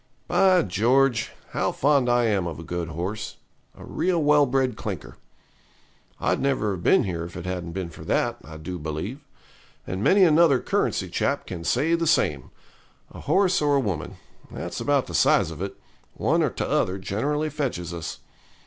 By George! how fond I am of a good horse a real well bred clinker. I'd never have been here if it hadn't been for that, I do believe; and many another Currency chap can say the same a horse or a woman that's about the size of it, one or t'other generally fetches us.